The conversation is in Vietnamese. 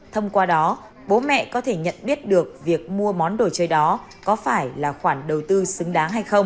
thông qua đó bố mẹ có thể nhận biết được việc mua món đồ chơi đó có phải là khoản đầu tư xứng đáng hay không